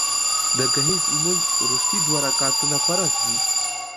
د ګهیځ لمونځ وروستي دوه رکعتونه فرض دي